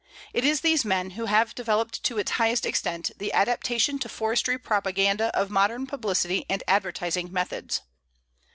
It is these men who have developed to its highest extent the adaptation to forestry propaganda of modern publicity and advertising methods.